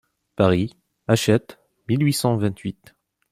Paris, Hachette, mille huit cent vingt-huit.